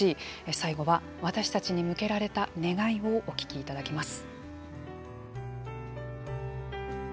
最後は私たちに向けられた願いをお聞きいただきます。